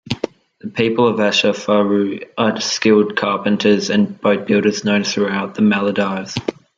People of Vashafaru are skilled carpenters and boat-builders known throughout the Maldives.